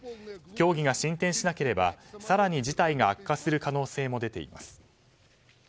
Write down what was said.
協議が進展しなければ更に事態が悪化する可能性も出ています。